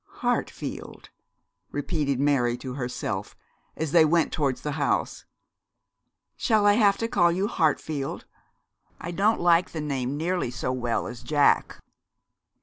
'Hartfield,' repeated Mary, to herself, as they went towards the house; 'shall I have to call you Hartfield? I don't like the name nearly so well as Jack.'